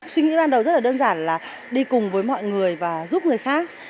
suy nghĩ ban đầu rất là đơn giản là đi cùng với mọi người và giúp người khác